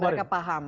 dan mereka paham